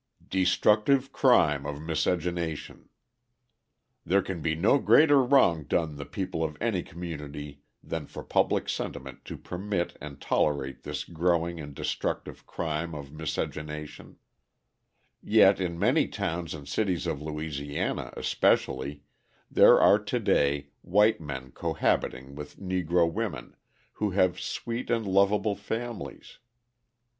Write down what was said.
DESTRUCTIVE CRIME OF MISCEGENATION There can be no greater wrong done the people of any community than for public sentiment to permit and tolerate this growing and destructive crime of miscegenation, yet in many towns and cities of Louisiana, especially, there are to day white men cohabiting with Negro women, who have sweet and lovable families.